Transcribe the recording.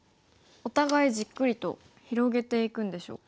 お互いじっくりと広げていくんでしょうか。